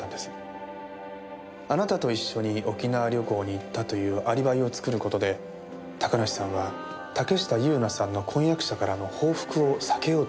あなたと一緒に沖縄旅行に行ったというアリバイを作る事で高梨さんは竹下友那さんの婚約者からの報復を避けようと思っていた。